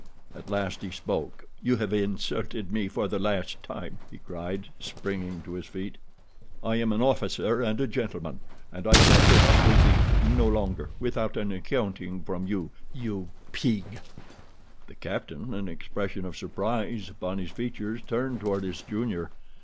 At last he spoke. "You have insulted me for the last time!" he cried, springing to his feet. "I am an officer and a gentleman, and I shall put up with it no longer without an accounting from you, you pig." The captain, an expression of surprise upon his features, turned toward his junior.